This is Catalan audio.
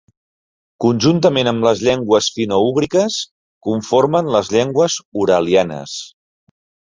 Conjuntament amb les llengües finoúgriques conformen les llengües uralianes.